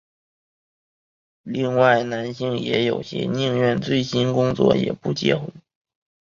另外男性也有些宁愿醉心工作也不结婚。